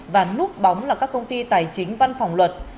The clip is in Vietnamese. và núp bóng là các công ty tài chính văn phòng luật